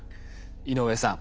井上さん